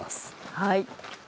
はい。